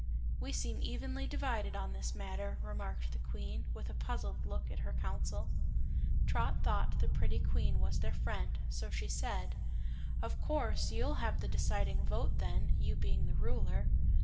"We seem evenly divided on this matter," remarked the Queen, with a puzzled look at her Council. Trot thought the pretty Queen was their friend, so she said: "Of course you'll have the deciding vote, then, you being the Ruler."